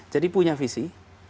jadi punya visi